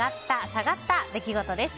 下がった出来事です。